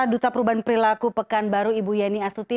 duta perubahan perilaku pekan baru ibu yeni astuti